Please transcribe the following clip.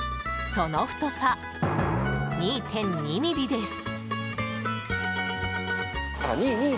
その太さ、２．２ｍｍです。